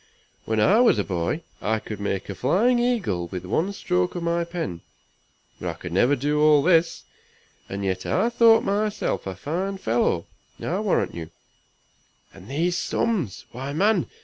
when I was a boy I could make a flying eagle with one stroke of my pen, but I never could do all this. And yet I thought myself a fine fellow, I warrant you. And these sums! why man!